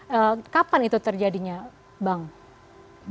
kapan itu terjadinya bang